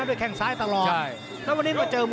วันนี้เดี่ยงไปคู่แล้วนะพี่ป่านะ